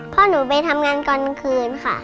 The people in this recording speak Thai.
พ่อหนูไปทำงานตอนคืนค่ะ